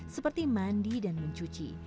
seperti mandi dan mencuci